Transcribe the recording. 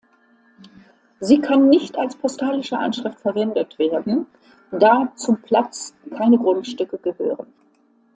Sie kann nicht als postalische Anschrift verwendet werden, da zum Platz keine Grundstücke gehören.